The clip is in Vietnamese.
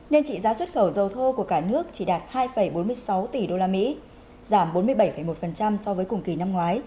nên trị giá xuất khẩu dầu thô của cả nước chỉ đạt hai bốn mươi sáu tỷ usd giảm bốn mươi bảy một so với cùng kỳ năm hai nghìn một mươi năm